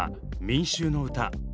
「民衆の歌」。